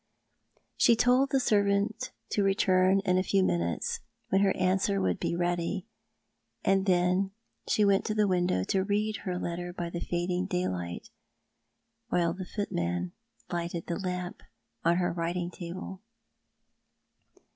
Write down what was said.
She told the servant to return in a few minutes, when her answer would be ready ; and then she went to the window to read her letter by the fading daylight, while the footman lighted the lamp on her writing table.